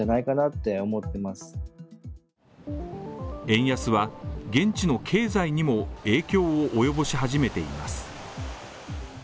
円安は現地の経済にも影響を及ぼし始めています。